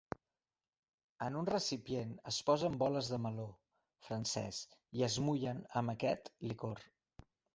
En un recipient es posen boles de meló francès i es mullen amb aquest licor.